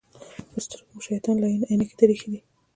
پر سترګو مو شیطان لعین عینکې در اېښي دي.